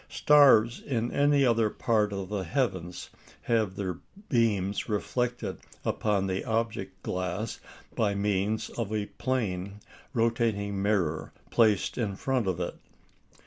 Stars in any other part of the heavens have their beams reflected upon the object glass by means of a plane rotating mirror placed in front of it.